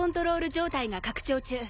状態が拡張中。